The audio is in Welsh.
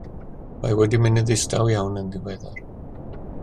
Mae wedi mynd yn ddistaw iawn yn ddiweddar.